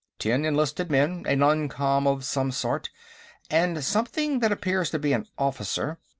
Ten enlisted men, a non com of some sort, and something that appears to be an officer.